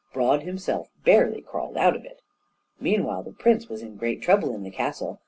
Broad himself barely crawled out of it. Meanwhile the prince was in great trouble in the castle.